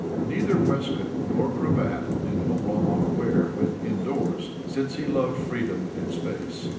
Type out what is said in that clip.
Neither waistcoat nor cravat did Oblomov wear when indoors, since he loved freedom and space.